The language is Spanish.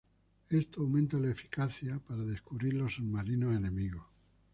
Esto aumenta la eficacia para descubrir los submarinos enemigos.